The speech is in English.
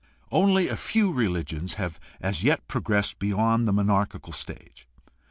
3. Only a few religions have as yet progressed beyond the monarchical stage.